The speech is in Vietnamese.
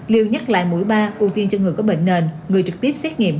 liêu nhắc lại mũi ba ưu tiên cho người có bệnh nền người trực tiếp xét nghiệm